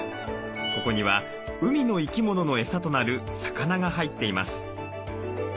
ここには海の生き物のエサとなる魚が入っています。